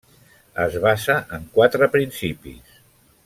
Es basa en quatre principis.